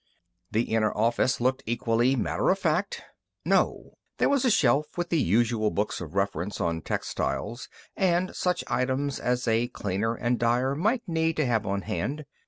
The inner office looked equally matter of fact. No.... There was the shelf with the usual books of reference on textiles and such items as a cleaner and dyer might need to have on hand.